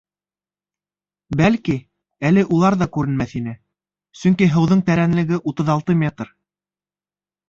Бәлки, әле улар ҙа күренмәҫ ине, сөнки һыуҙың тәрәнлеге утыҙ алты метр.